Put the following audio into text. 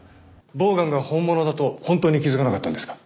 ボウガンが本物だと本当に気づかなかったんですか？